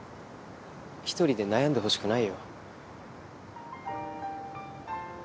一人で悩んでほしくないよ。